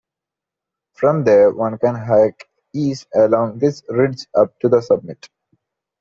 From there, one can hike east along this ridge up to the summit.